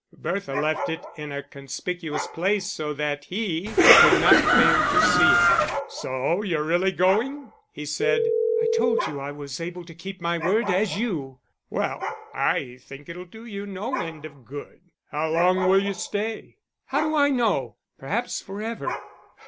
Bertha left it in a conspicuous place so that he could not fail to see it. "So you're really going?" he said. "I told you I was as able to keep my word as you." "Well, I think it'll do you no end of good. How long will you stay?" "How do I know! Perhaps for ever."